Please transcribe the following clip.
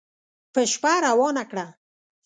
په شپه روانه کړه